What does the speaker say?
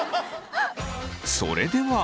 それでは。